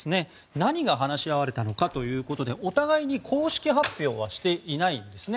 何が話し合われたのかということでお互いに公式発表はしていないんですね。